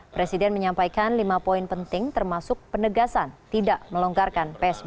presiden menyampaikan lima poin penting termasuk penegasan tidak melonggarkan psbb